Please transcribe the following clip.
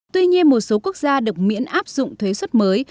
tuy nhiên một số quốc gia được miễn áp dụng thuế xuất mới